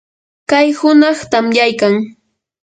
kay hunaq tamyaykan.